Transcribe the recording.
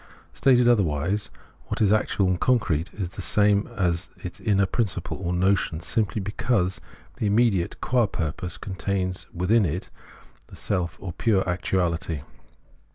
Stated otherwise, what is actual and concrete is the same as its inner principle or notion simply because the immediate qua purpose contains within it the self , or 20 Phenomenology of Mind pure actuality.